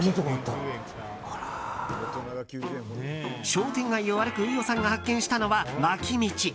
商店街を歩く飯尾さんが発見したのは、脇道。